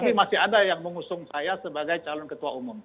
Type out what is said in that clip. tapi masih ada yang mengusung saya sebagai calon ketua umum